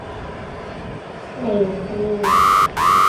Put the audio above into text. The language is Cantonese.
離地